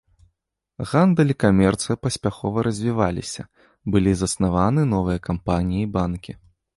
Гандаль і камерцыя паспяхова развіваліся, былі заснаваны новыя кампаніі і банкі.